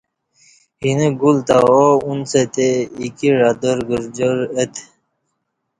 اینہ گل تہ آو انڅہ تے ایکی عدارگرجار اہ تہ